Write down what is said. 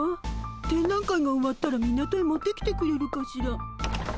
展覧会が終わったら港へ持ってきてくれるかしら。